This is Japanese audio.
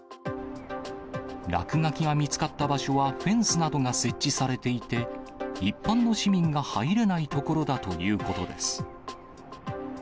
落書きが見つかった場所は、フェンスなどが設置されていて、一般の市民が入れない所だということです。